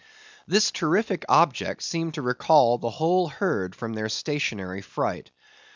This terrific object seemed to recall the whole herd from their stationary fright.